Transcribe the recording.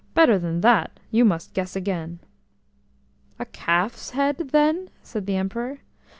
"Better than that; you must guess again." "A calf's head, then?" said the Emperor.